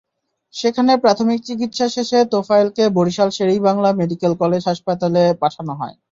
সেখানে প্রাথমিক চিকিৎসা শেষে তোফায়েলকে বরিশাল শেরে-ই-বাংলা মেডিকেল কলেজ হাসপাতালে পাঠানো হয়।